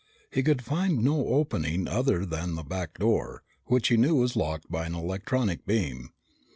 He could find no opening other than the back door, which he knew was locked by an electronic beam.